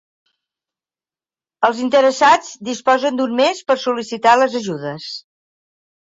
Els interessats disposen d’un mes per sol·licitar les ajudes.